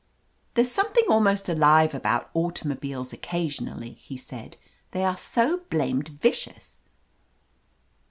"There's something almost alive about auto mobiles occasionally," he said. "They are so blamed vicious."